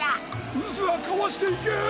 うずはかわしていけ！